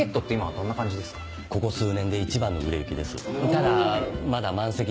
ただまだ満席には。